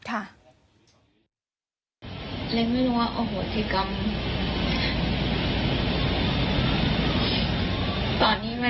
อยากให้คุณแม่ยังบอกด้วยว่า